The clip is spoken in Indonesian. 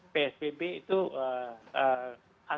psbb itu aturan